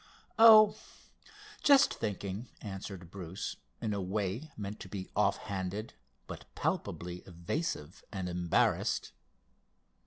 "Oh, just thinking," answered Bruce in a way meant to be off handed, but palpably evasive and embarrassed.